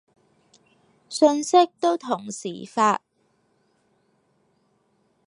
信息都同時發